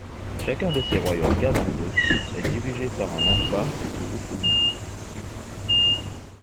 Chacun de ces royaumes Kavangos est dirigé par un hompa ou fumu.